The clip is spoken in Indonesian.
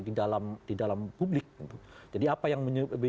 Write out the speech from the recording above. di dalam publik jadi apa yang